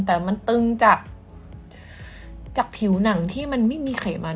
แต่มันตึงจากผิวหนังที่มันไม่มีไขมัน